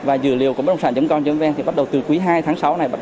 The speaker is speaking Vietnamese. và dự liệu của bất động sản chấm con chấm ven bắt đầu từ cuối hai tháng sáu này